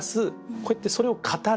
こうやってそれを「語れる」。